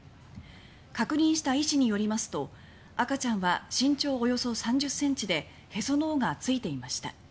確認した医師によりますと赤ちゃんは身長およそ３０ｃｍでへその緒がついていました。